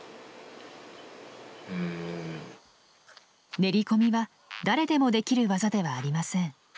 練り込みは誰でもできる技ではありません。